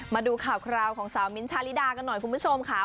มาดูข่าวคราวของสาวมิ้นท์ชาลิดากันหน่อยคุณผู้ชมค่ะ